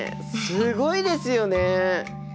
すごいですよね！